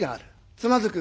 つまずく。